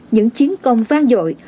những chiến công vang dội